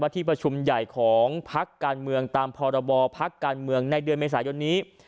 ว่าที่ประชุมใหญ่ของพรรคการเมืองตามพรบพรรคการเมืองในเมษายนนี้